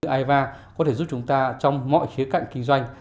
iva có thể giúp chúng ta trong mọi khía cạnh kinh doanh